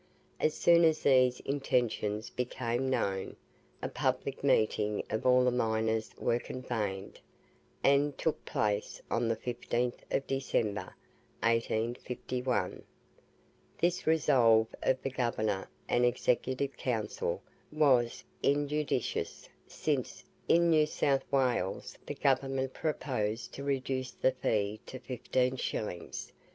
As soon as these intentions became known, a public meeting of all the miners was convened, and took place on the 15th of December, 1851. This resolve of the Governor and Executive Council was injudicious, since, in New South Wales, the Government proposed to reduce the fee to 15s.